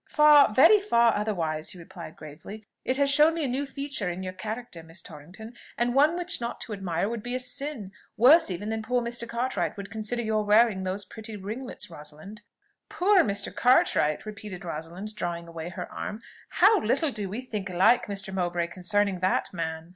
"Far, very far otherwise," he replied gravely. "It has shown me a new feature in your character, Miss Torrington, and one which not to admire would be a sin, worse even than poor Mr. Cartwright would consider your wearing these pretty ringlets, Rosalind." "Poor Mr. Cartwright!" repeated Rosalind, drawing away her arm. "How little do we think alike, Mr. Mowbray, concerning that man!"